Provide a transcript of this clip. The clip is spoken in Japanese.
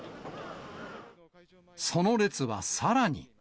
その列はさらに。